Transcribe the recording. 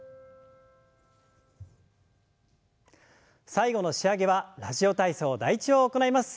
最後の仕上げは「ラジオ体操第１」を行います。